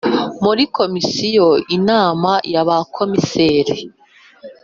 muri komisiyo inama y’abakomiseri